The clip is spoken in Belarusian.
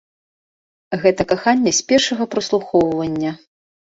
Гэта каханне з першага праслухоўвання!